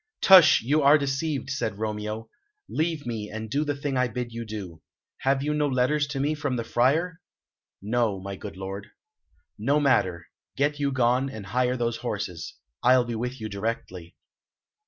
"Tush! You are deceived," said Romeo. "Leave me, and do the thing I bid you do. Have you no letters to me from the Friar?" "No, my good lord." "No matter. Get you gone, and hire those horses. I'll be with you directly."